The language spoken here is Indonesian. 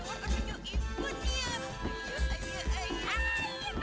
aduh bener dah